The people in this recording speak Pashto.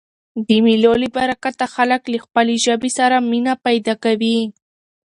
د مېلو له برکته خلک له خپلي ژبي سره مینه پیدا کوي.